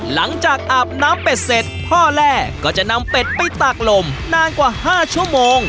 อาบน้ำเป็ดเสร็จพ่อแร่ก็จะนำเป็ดไปตากลมนานกว่า๕ชั่วโมง